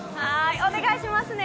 お願いしますね。